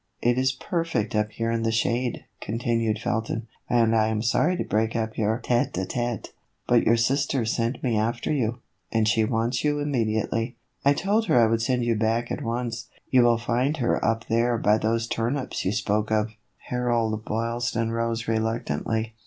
" It is perfect up here in the shade," continued Felton, " and I 'm sorry to break up your tite a tete, but your sister sent me after you, and she wants you immediately. I told her I would send you back at once. You will find her up there by those tur nips you spoke of." Harold Boylston rose reluctantly.